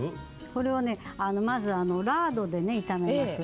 これをねまずラードで炒めます。